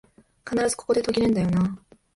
必ずここで途切れんだよなあ